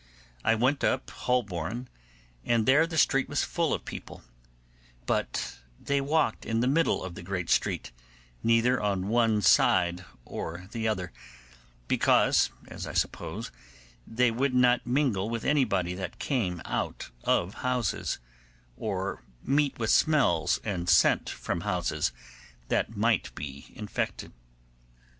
I went up Holborn, and there the street was full of people, but they walked in the middle of the great street, neither on one side or other, because, as I suppose, they would not mingle with anybody that came out of houses, or meet with smells and scent from houses that might be infected.